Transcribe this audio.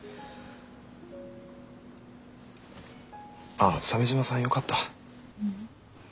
ああ鮫島さんよかった。